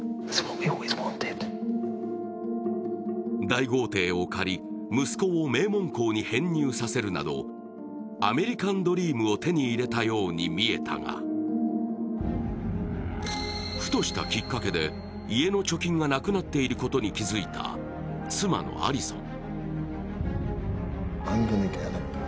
大豪邸を借り息子を名門校に編入させるなどアメリカンドリームを手に入れたように見えたが、ふとしたきっかけで、家の貯金がなくなっていることに気づいた妻のアリソン。